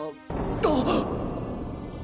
あっ！